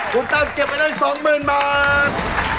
คุณตัมม์เก็บไปแล้ว๒๐๐๐๐บาท